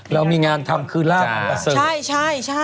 เรามีงานทำคุยให้สอนหนูใช่ไหม